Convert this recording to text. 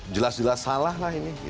jelas jelas salah lah ini